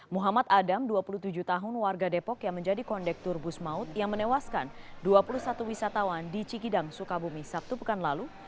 muhammad adam dua puluh tujuh tahun warga depok yang menjadi kondektur bus maut yang menewaskan dua puluh satu wisatawan di cikidang sukabumi sabtu pekan lalu